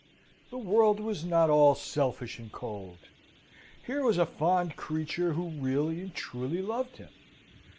The world was not all selfish and cold. Here was a fond creature who really and truly loved him.